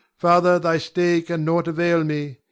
Father, thy stay can nought avail me.